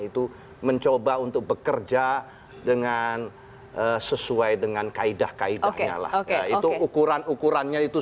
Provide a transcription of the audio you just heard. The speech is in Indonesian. itu mencoba untuk bekerja dengan sesuai dengan kaedah kaedahnya lah itu ukuran ukurannya itu